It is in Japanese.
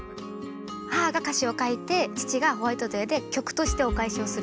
母が歌詞を書いて父がホワイトデーで曲としてお返しをする。